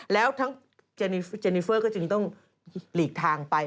แล้วทั้งเจนิเฟอร์ก็จึงต้องหลีกทางไป